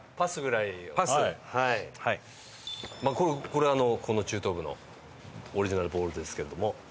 これここの中等部のオリジナルボールですけれども。